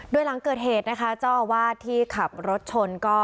ด้วยหลังเกิดเหตุนะคะจ้อว่าที่ขับรถชนก็